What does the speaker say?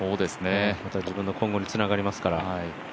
自分の今後につながりますから。